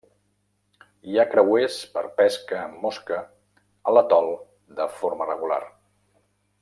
Hi ha creuers per pesca amb mosca a l'atol de forma regular.